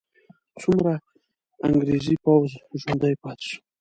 څومره انګریزي پوځ ژوندی پاتې سو؟